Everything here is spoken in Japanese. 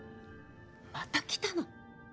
また来たの！？